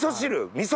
みそ？